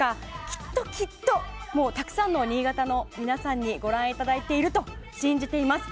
きっときっともうたくさんの新潟の皆さんにご覧いただいていると信じています。